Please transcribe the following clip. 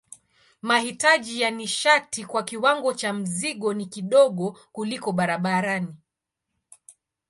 Mahitaji ya nishati kwa kiwango cha mzigo ni kidogo kuliko barabarani.